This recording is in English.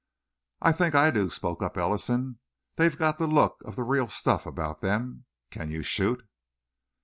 "I think I do," spoke up Ellison. "They've got the look of the real stuff about them. Can you shoot?"